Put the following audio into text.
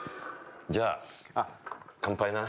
じゃあ乾杯な。